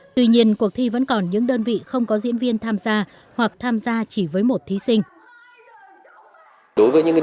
tuy nhiên cuộc thi vẫn còn những đơn vị không có diễn viên tham gia hoặc tham gia chỉ với một thí sinh